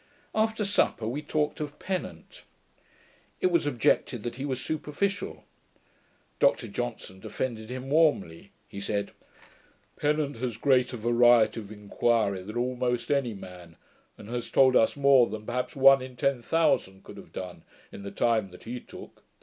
After supper, we talked of Pennant. It was objected that he was superficial. Dr Johnson defended him warmly. He said, 'Pennant has greater variety of inquiry than almost any man, and has told us more than perhaps one in ten thousand could have done, in the time that he took.